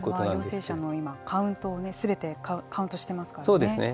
陽性者のカウントをすべてしていますからね。